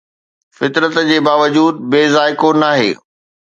فطرت جي باوجود بي ذائقو ناهي